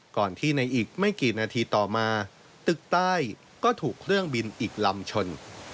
ก่อนที่ในอีกไม่กี่นาทีต่อมาตึกใต้ก็ถูกเครื่องบินอีกลำชน